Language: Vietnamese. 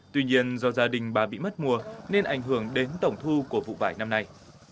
tuy nhiên do gia đình bà bị mất mùa nên ảnh hưởng đến tổng thu của vụ vải năm nay